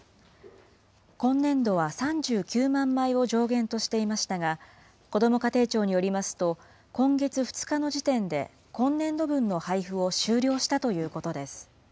今年度は３９万枚を上限としていましたが、こども家庭庁によりますと、今月２日の時点で今年度分の配付を終了したということです。